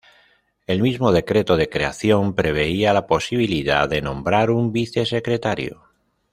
El mismo decreto de creación preveía la posibilidad de nombrar un vicesecretario.